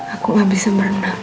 aku gak bisa merenang